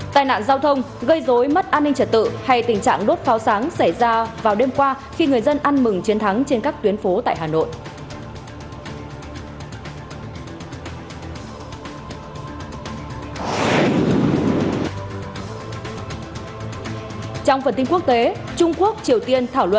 tai nạn giao thông gây dối mất an ninh trật tự hay tình trạng đốt pháo sáng xảy ra vào đêm qua khi người dân ăn mừng chiến thắng trên các tuyến phố tại hà nội